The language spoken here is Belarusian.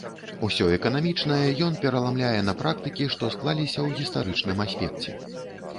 Усё эканамічнае ён пераламляе на практыкі, што склаліся ў гістарычным аспекце.